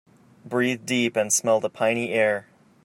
Breathe deep and smell the piny air.